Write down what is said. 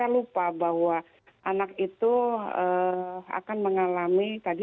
saya lupa bahwa anak itu akan mengalami tadi